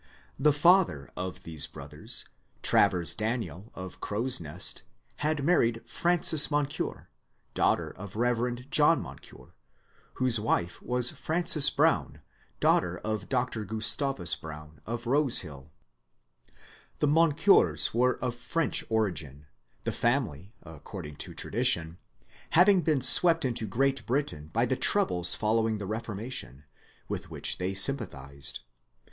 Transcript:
The father of these brothers, Travers Daniel of " Crow's Nest," had married Frances Moncure, daughter of Eev. John Moncure, whose wife was Frances Brown, daughter of Dr. Gustavus Brown of " Rose Hill." The Moncures were of French origin, — the family, accord 2 MONCURE DANIEL CONWAY ing to tradition, having been swept into Great Britain by the troubles following the Reformation, with which they sympa thized.